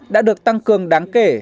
đã được tăng cường đáng kể